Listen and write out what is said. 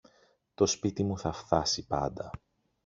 Το σπίτι μου θα φθάσει πάντα.